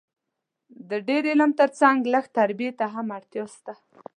د ډېر علم تر څنګ لږ تربیې ته هم اړتیا سته